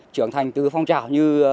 trưởng thành từ phong trào như